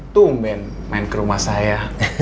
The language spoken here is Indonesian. tumben main kerumah saya